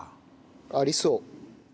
ありそう。